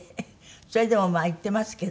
それでもまあ行ってますけど。